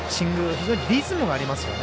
非常にリズムがありますよね。